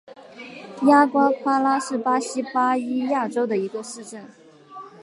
雅瓜夸拉是巴西巴伊亚州的一个市镇。